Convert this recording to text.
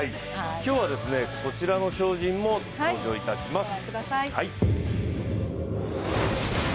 今日はこちらの超人も登場いたします。